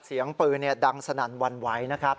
เสียงปืนดังสนานวรรณไว้นะครับ